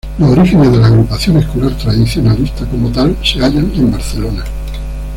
Los orígenes de la Agrupación Escolar Tradicionalista como tal se hallan en Barcelona.